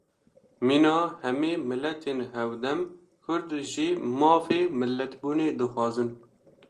Mîna hemî miletên hevdem, Kurd jî mafê milletbûnê dixwazin